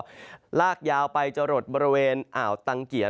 ที่สว่างยาวไปจะลดประเวณอ่าวตังเกียว